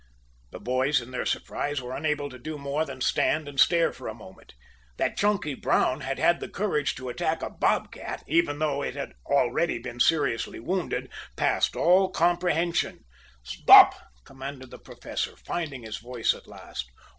The boys in their surprise were unable to do more than stand and stare for the moment. That Chunky Brown had had the courage to attack a bob cat, even though it already had been seriously wounded, passed all comprehension. "Stop!" commanded the Professor, finding his voice at last.